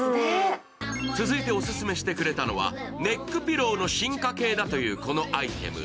続いてオススメしてくれたのがネックピローの進化系だというこのアイテム。